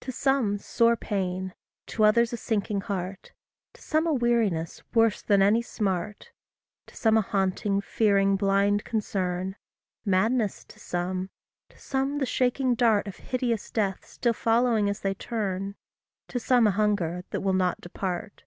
To some sore pain, to others a sinking heart; To some a weariness worse than any smart; To some a haunting, fearing, blind concern; Madness to some; to some the shaking dart Of hideous death still following as they turn; To some a hunger that will not depart.